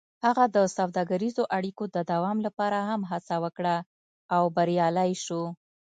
هغه د سوداګریزو اړیکو د دوام لپاره هم هڅه وکړه او بریالی شو.